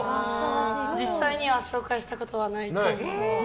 実際には紹介したことはないです。